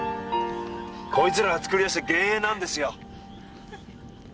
こいつらが作り出した幻影なんですよ！